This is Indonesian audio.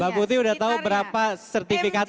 mbak putih udah tahu berapa sertifikat